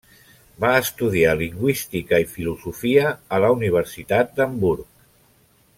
Va estudiar lingüística i filosofia a la universitat d'Hamburg.